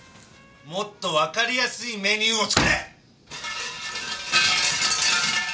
もっとわかりやすいメニューを作れ！